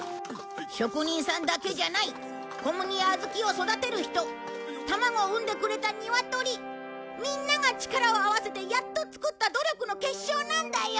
職人さんだけじゃない小麦や小豆を育てる人卵を産んでくれたニワトリみんなが力を合わせてやっと作った努力の結晶なんだよ！